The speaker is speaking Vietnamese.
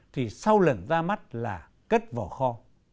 thì sau lần ra mắt là cất vỏ kho